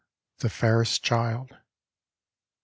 THE FAIREST CHILD. I.